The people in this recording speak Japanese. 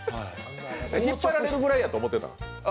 引っ張られるぐらいだと思ってたの。